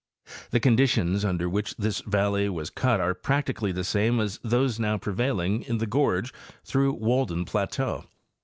The conditions under which this valley was cut are practically the same as those now pre vailing in the gorge through Walden plateau.